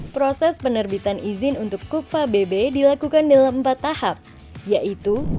proses penerbitan izin untuk kupa bb dilakukan dalam empat tahap yaitu